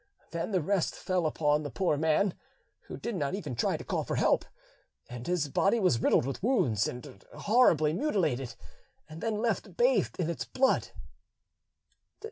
Then the rest fell upon the poor man, who did not even try to call for help, and his body was riddled with wounds and horribly mutilated, and then left bathed in its blood."